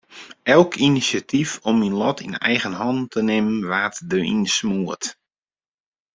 Elk inisjatyf om myn lot yn eigen hannen te nimmen waard deryn smoard.